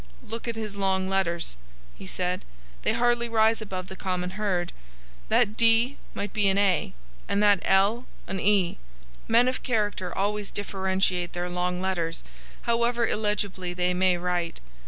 "Look at his long letters," he said. "They hardly rise above the common herd. That d might be an a, and that l an e. Men of character always differentiate their long letters, however illegibly they may write.